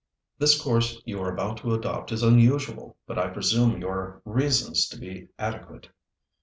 The course you are about to adopt is unusual; but I presume your reasons to be adequate.